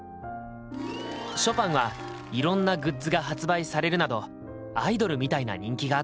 ショパンはいろんなグッズが発売されるなどアイドルみたいな人気があった。